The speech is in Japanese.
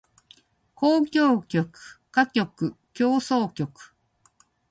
交響曲歌曲協奏曲